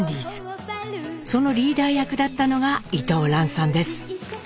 そのリーダー役だったのが伊藤蘭さんです。